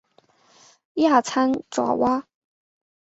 亚参爪哇。